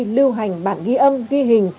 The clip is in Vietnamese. lưu hành bản ghi âm ghi hình